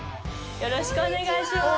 よろしくお願いします。